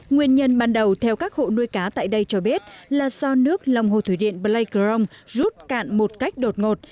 nguyên nhân ban đầu theo các hộ nuôi cá tại đây cho biết là do nước lòng hồ thủy điện pleikrong rút cạn một cách đột ngột